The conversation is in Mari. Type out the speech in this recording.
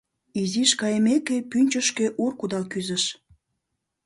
Изиш кайымеке, пӱнчышкӧ ур кудал кӱзыш.